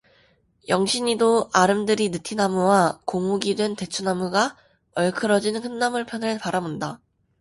영신이도 아름드리 느티나무와 고목이 된 대추나무가 얼크러진 큰마을 편을 바라본다.